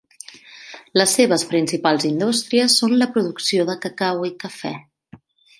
Les seves principals indústries són la producció de cacau i cafè.